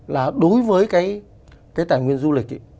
là đối với cái tài nguyên du lịch